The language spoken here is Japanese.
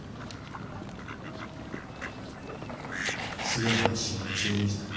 次の配信は１２時だ。